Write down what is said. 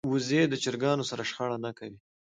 وزې د چرګانو سره شخړه نه کوي